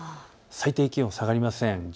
最低気温、下がりません。